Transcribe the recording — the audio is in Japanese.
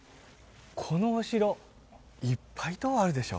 このお城いっぱい塔あるでしょ？